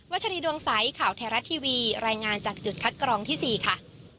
ชรีดวงใสข่าวไทยรัฐทีวีรายงานจากจุดคัดกรองที่๔ค่ะ